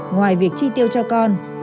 ngoài việc chi tiêu cho con